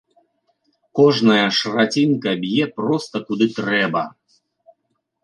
Кожная шрацінка б'е проста куды трэба.